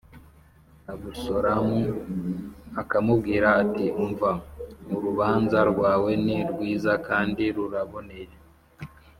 Abusalomu akamubwira ati “Umva, urubanza rwawe ni rwiza kandi ruraboneye